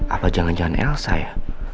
apa jangan jangan elsa ya